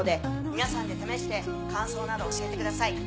皆さんで試して感想など教えてください。